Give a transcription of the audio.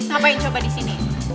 ngapain coba disini